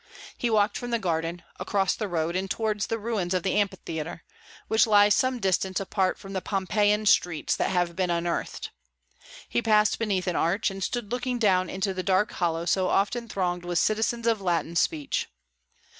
He walked from the garden, across the road, and towards the ruins of the Amphitheatre, which lie some distance apart from the Pompeian streets that have been unearthed; he passed beneath an arch, and stood looking down into the dark hollow so often thronged with citizens of Latin speech.